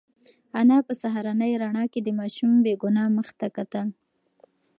انا په سهارنۍ رڼا کې د ماشوم بې گناه مخ ته کتل.